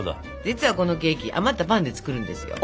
実はこのケーキ余ったパンで作るんですよ。